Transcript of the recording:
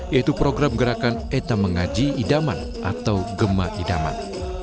yaitu program gerakan eta mengaji idaman atau gemah idaman